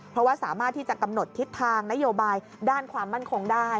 เพราะว่าสามารถที่จะกำหนดทิศทางนโยบายด้านความมั่นคงได้